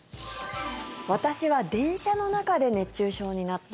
私は電車の中で熱中症になった。